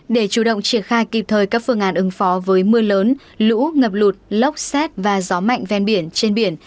để chủ động triển khai kịp thời các phương án ứng phó với mưa lớn lũ ngập lụt lốc xét và gió mạnh ven biển trên biển